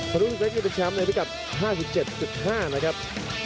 ธนูธิกเล็กนี่เป็นแชมป์ในพิกัดห้าสิบเจ็ดสิบห้านะครับ